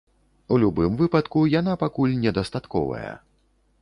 У любым выпадку, яна пакуль недастатковая.